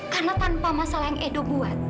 karena tanpa masalah yang edu buat